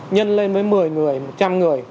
nhân lên với một mươi người một trăm linh người